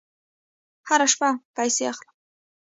هره میاشت پیسې اخلم